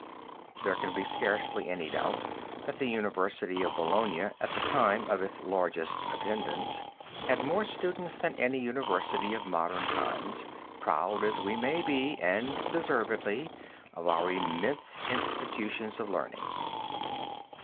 There can be scarcely a doubt that the University of Bologna at the time of its largest attendance had more students than any university of modern times, proud as we may be (and deservedly) of our immense institutions of learning.